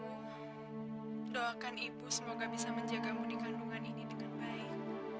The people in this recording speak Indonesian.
doakan ibu semoga bisa menjagamu di kandungan ini dengan baik